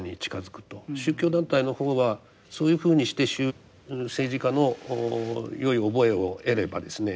宗教団体の方はそういうふうにして政治家のよい覚えを得ればですね